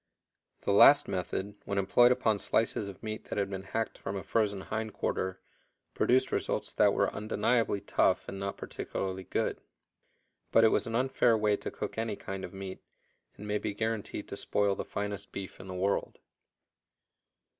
The last method, when employed upon slices of meat that had been hacked from a frozen hind quarter, produced results that were undeniably tough and not particularly good. But it was an unfair way to cook any kind of meat, and may be guarantied to spoil the finest beef in the world.